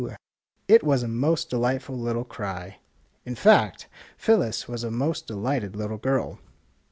It was a most delighted little cry. In fact, Phyllis was a most delighted little girl.